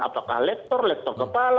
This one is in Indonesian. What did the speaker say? apakah lektor lektor kepala